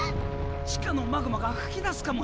地下のマグマが噴き出すかもしれない！